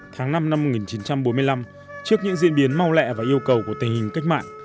tháng năm năm một nghìn chín trăm bốn mươi năm trước những diễn biến mau lẹ và yêu cầu của tình hình cách mạng